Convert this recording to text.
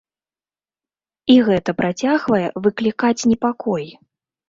І гэта працягвае выклікаць непакой.